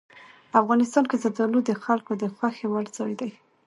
افغانستان کې زردالو د خلکو د خوښې وړ یو ځای دی.